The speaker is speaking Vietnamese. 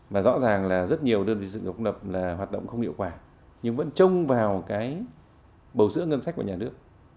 và rõ ràng là rất nhiều đơn vị sự nghiệp công lập hoạt động không hiệu quả nhưng vẫn trông vào bầu sữa ngân sách của nhà nước